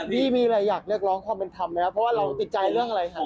พี่มีอะไรอยากเรียกร้องความเป็นธรรมไหมครับเพราะว่าเราติดใจเรื่องอะไรครับ